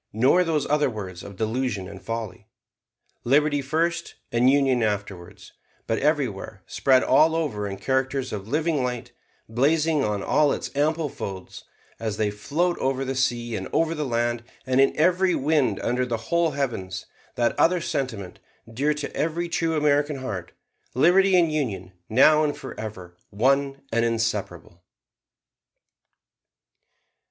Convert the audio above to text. nor those other words of delusion and folly, 'Liberty first and Union afterwards'; but everywhere, spread all over in characters of living light, blazing on all its ample folds, as they float over the sea and over the land, and in every wind under the whole heavens, that other sentiment, dear to every true American heart, 'Liberty and Union, now and forever, one and inseparable.'"